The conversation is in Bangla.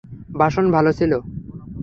ভাষণ ভালো ছিল।